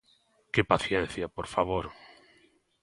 ¡Que paciencia, por favor!